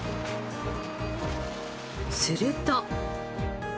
すると。